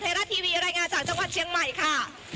รัฐทีวีรายงานจากจังหวัดเชียงใหม่ค่ะ